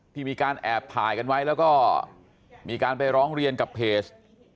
มีการแอบถ่ายกันไว้แล้วก็มีการไปร้องเรียนกับเพจ